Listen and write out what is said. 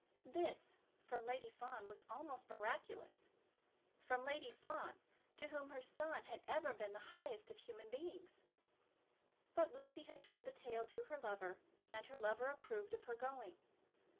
This, from Lady Fawn, was almost miraculous, from Lady Fawn, to whom her son had ever been the highest of human beings! But Lucy had told the tale to her lover, and her lover approved of her going.